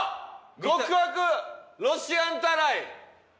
極悪ロシアンタライ始め！